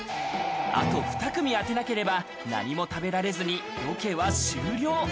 あと２組当てなければ、何も食べられずにロケは終了。